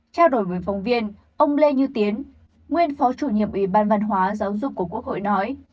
trao đổi với phóng viên ông lê như tiến nguyên phó chủ nhiệm ủy ban văn hóa giáo dục của quốc hội nói